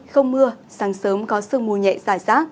không mưa sáng sớm có sương mù nhẹ xảy ra